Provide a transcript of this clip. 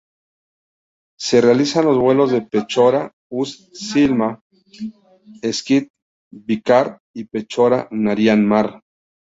Se realizan los vuelos Pechora-Ust-Tsilma-Syktyvkar y Pechora-Narian-Mar.